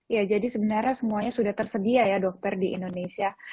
ya jadi sebenarnya semuanya sudah tersedia ya dokter di indonesia